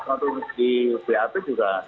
atau di bap juga